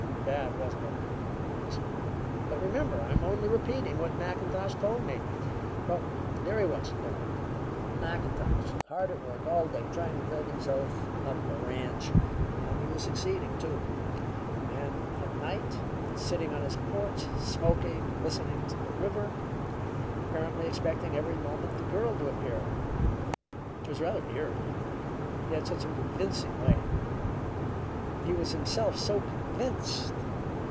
"Bad, wasn't it?" he smiled. "But remember I am only repeating what Mackintosh told me. Well, there he was then Mackintosh hard at work all day trying to build himself up a ranch, and he was succeeding, too, and, at night, sitting on his porch, smoking and listening to the river, and apparently expecting every moment the girl to appear. It was rather eerie. He had such a convincing way; he was himself so convinced.